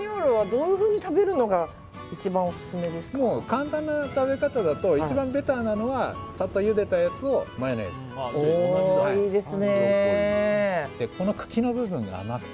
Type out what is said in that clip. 簡単な食べ方だと一番ベターなのはサッとゆでたやつをマヨネーズです。